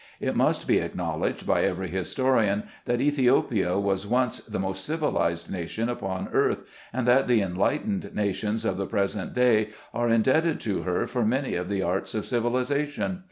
It must be acknowledged by every historian, that Ethiopia was once the most civilized nation upon earth, and that the enlightened nations of the pres ent day are indebted to her for many of the arts of civilization.